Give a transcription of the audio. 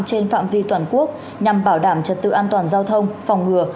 trên phạm vi toàn quốc nhằm bảo đảm trật tự an toàn giao thông phòng ngừa